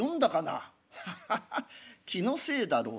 ハハハッ気のせいだろう」。